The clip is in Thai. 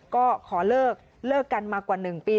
ก็ขอเลิกเลิกกันมากว่า๑ปี